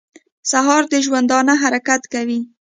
سهار د ژوندانه حرکت کوي.